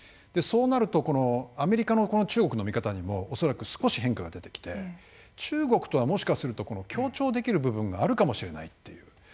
そうなると、アメリカの中国の見方にも恐らく、少し変化が出てきて中国とはもしかすると協調できる部分があるかもしれないという。